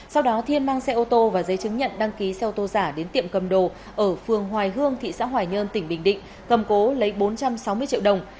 sau đó thiên mang xe ô tô và giấy chứng nhận đăng ký xe ô tô giả đến tiệm cầm đồ ở phường hoài hương thị xã hoài nhơn tỉnh bình định cầm cố lấy bốn trăm sáu mươi triệu đồng